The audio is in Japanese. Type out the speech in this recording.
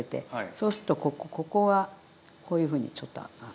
そうするとここはこういうふうにちょっと。